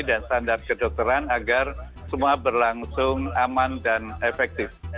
dan standar kedokteran agar semua berlangsung aman dan efektif